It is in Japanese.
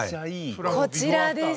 こちらです。